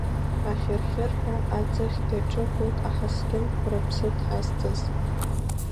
Ахьыр-хьырҳәа аӡыхьгьы ҿыхоит аҳасқьынқәа рыԥсы ҭазҵаз.